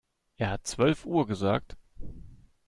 Er hat zwölf Uhr gesagt?